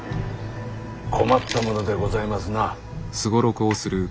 困ったものでございますな。